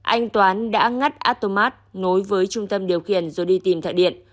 anh toán đã ngắt atomat nối với trung tâm điều khiển rồi đi tìm thại điện